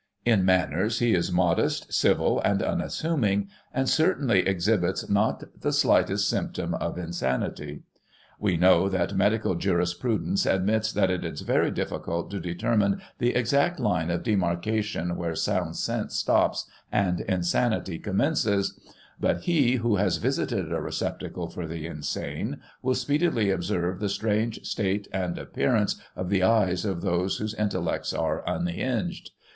In Digiti ized by Google 1 840] EDWARD OXFORD. 139 manners, he is modest, civil and unassuming, and certainly exhibits not the slightest symptom of insanity. We know that medical jurisprudence admits that it is very difficult to determine the exact line of demarcation where sound sense stops, and insanity commences; but he, who has visited a receptacle for the insane, will speedily observe the strange state and appearance of the eyes of those whose intellects are unhinged.